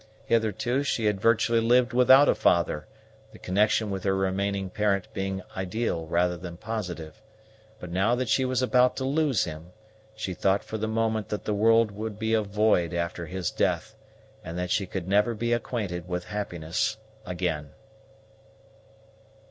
Hitherto she had virtually lived without a father, the connection with her remaining parent being ideal rather than positive; but now that she was about to lose him, she thought for the moment that the world would be a void after his death, and that she could never be acquainted with happiness again.